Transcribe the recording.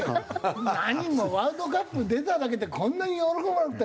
何もワールドカップ出ただけでこんなに喜ばなくたって。